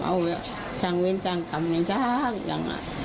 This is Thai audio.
เอาไว้ช่างเว้นช่างกรรมยังช่างอย่างนั้น